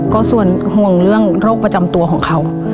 ก็ส่วนห่วงเรื่องโรคประจำตัวของเขา